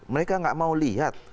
mereka nggak mau lihat